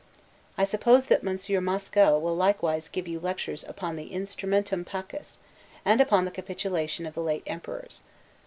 I suppose that Monsieur Mascow will likewise give you lectures upon the 'Instrumentum Pacis,' and upon the capitulations of the late emperors.